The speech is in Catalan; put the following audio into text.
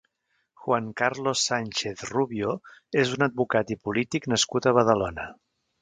Juan Carlos Sánchez Rubio és un advocat i polític nascut a Badalona.